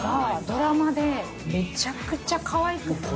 ドラマでめちゃくちゃかわいくて。